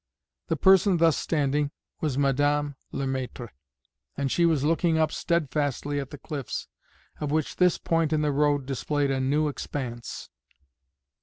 The person thus standing was Madame Le Maître, and she was looking up steadfastly at the cliffs, of which this point in the road displayed a new expanse.